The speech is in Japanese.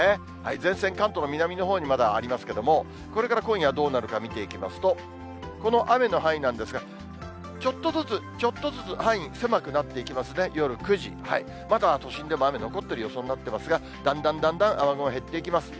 前線、関東の南のほうにまだありますけれども、これから今夜どうなるか見ていきますと、この雨の範囲なんですが、ちょっとずつちょっとずつ、範囲狭くなっていきますね、夜９時、まだ都心でも雨、残っている予想になっていますが、だんだんだんだん雨雲が減っていきます。